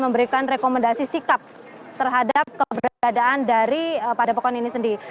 memberikan rekomendasi sikap terhadap keberadaan dari padepokan ini sendiri